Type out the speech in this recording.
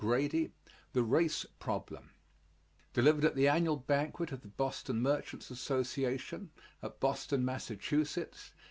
GRADY_ THE RACE PROBLEM Delivered at the annual banquet of the Boston Merchants' Association, at Boston, Mass.